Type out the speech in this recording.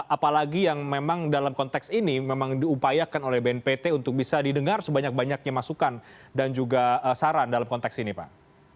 apalagi yang memang dalam konteks ini memang diupayakan oleh bnpt untuk bisa didengar sebanyak banyaknya masukan dan juga saran dalam konteks ini pak